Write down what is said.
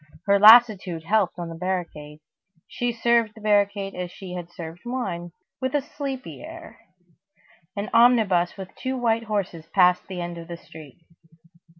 Her lassitude helped on the barricade. She served the barricade as she would have served wine, with a sleepy air. An omnibus with two white horses passed the end of the street.